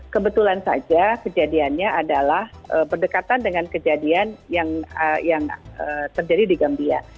kebetulan saja kejadiannya adalah berdekatan dengan kejadian yang terjadi di gambia